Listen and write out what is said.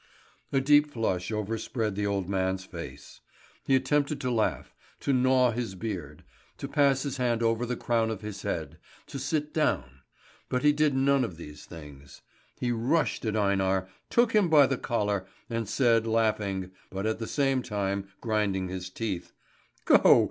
A deep flush overspread the old man's face. He attempted to laugh, to gnaw his beard, to pass his hand over the crown of his head, to sit down; but he did none of these things. He rushed at Einar, took him by the collar, and said laughing, but at the same time grinding his teeth: "Go!